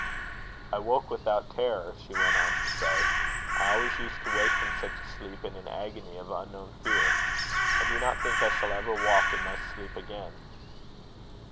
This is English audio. "I woke without terror," she went on to say. "I always used to wake from such a sleep in an agony of unknown fear. I do not think I shall ever walk in my sleep again."